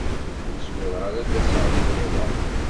Ur zmireɣ ara ad d-aseɣ deg yiḍ-a.